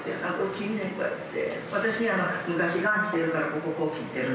切んねんこうやって。